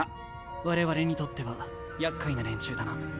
我々にとっては厄介な連中だな。